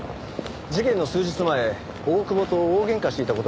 事件の数日前大久保と大喧嘩していた事がわかりました。